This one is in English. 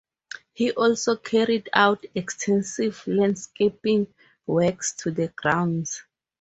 He also carried out extensive landscaping works to the grounds.